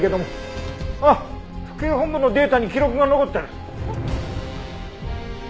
あっ府警本部のデータに記録が残ってる！